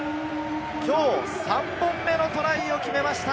きょう３本目のトライを決めました！